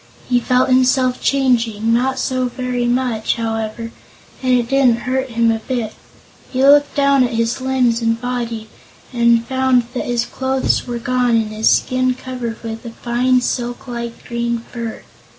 He felt himself changing; not so very much, however, and it didn't hurt him a bit. He looked down at his limbs and body and found that his clothes were gone and his skin covered with a fine, silk like green fur.